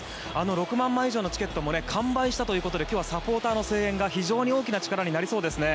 ６万枚以上のチケットも完売したということで今日はサポーターの声援が非常に大きな力になりそうですね。